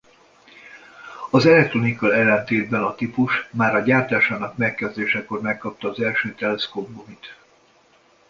Az electroniccal ellentétben a típus már a gyártásának megkezdésekor megkapta az első teleszkóp gumit.